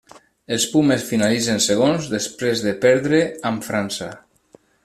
Els Pumes finalitzen segons, després de perdre amb França.